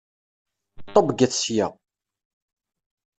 Ṭebbget sya!